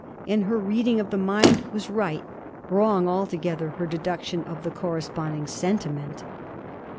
And her reading of the mind was right, wrong altogether her deduction of the corresponding sentiment.